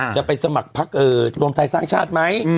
จะไปสมัครพักรวมไทยสร้างชาติไหม